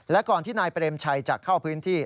และก่อนที่นายเปรมชัยจะเข้าพื้นที่